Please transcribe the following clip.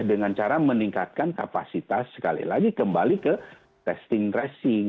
dengan cara meningkatkan kapasitas sekali lagi kembali ke testing tracing